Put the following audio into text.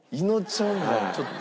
ちょっと。